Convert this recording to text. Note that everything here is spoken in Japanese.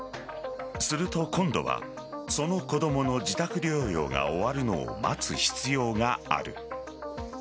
すると今度はその子供の自宅療養が終わるのを待つ必要がある。